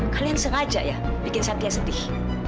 kalian sengaja ya bikin sati yang sedih